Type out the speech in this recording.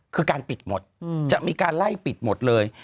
คือการปิดหมดจะมีการไล่ปิดหมดเลย